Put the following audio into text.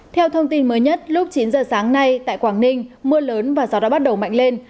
theo thông tin mới nhất lúc chín giờ sáng nay tại quảng ninh mưa lớn và gió đã bắt đầu mạnh lên